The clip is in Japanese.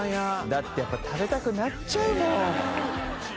だって、やっぱり食べたくなっちゃうもん。